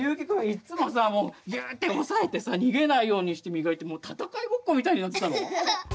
いっつもさギューッて押さえてさ逃げないようにして磨いてもう戦いごっこみたいになってたの。